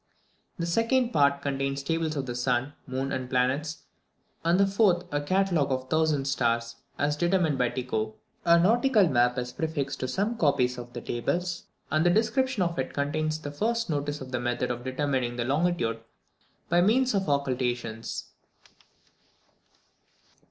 The second part contains tables of the sun, moon, and planets; and the fourth a catalogue of 1000 stars, as determined by Tycho. A nautical map is prefixed to some copies of the tables, and the description of it contains the first notice of the method of determining the longitude by means of occultations.